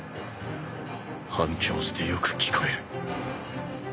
反響してよく聞こえる